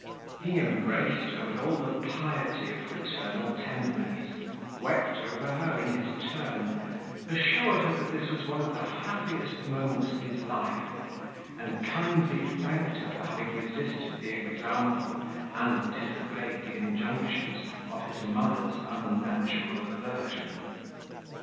He embraced her with all the piety of fraternal tenderness, wept over her in his turn, assured her that this was one of the happiest moments of his life, and kindly thanked her for having resisted the example, and disobeyed the injunctions, of his mother's unnatural aversion.